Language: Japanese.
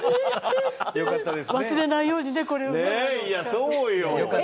いやそうよ。